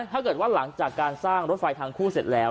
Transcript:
ถ้าเกิดว่าหลังจากการสร้างรถไฟทางคู่เสร็จแล้ว